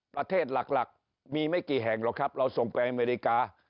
ประเทศหลักมีไม่กี่แห่งหรอกครับเราส่งไปอเมริกา